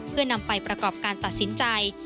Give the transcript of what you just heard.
เพื่อนำไปประกอบการตัดสินใจ